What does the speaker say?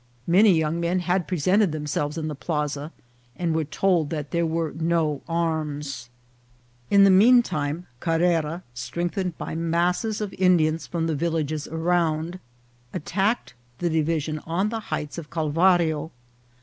Many young men had pre sented themselves in the plaza, and were told that there were no arms. In the mean time, Carrera, strengthened by masses of Indians from the villages around, attacked the division on the heights of Calvario.